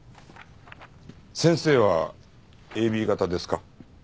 先生はＡＢ型ですか？